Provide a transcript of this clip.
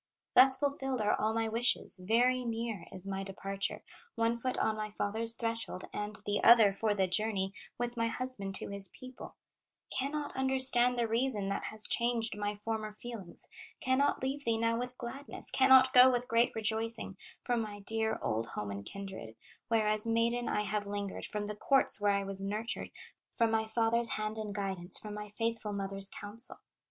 Thus fulfilled are all my wishes, Very near is my departure, One foot on my father's threshold, And the other for the journey With my husband to his people; Cannot understand the reason That has changed my former feelings, Cannot leave thee now with gladness, Cannot go with great rejoicing From my dear, old home and kindred, Where as maiden I have lingered, From the courts where I was nurtured, From my father's hand and guidance, From my faithful mother's counsel.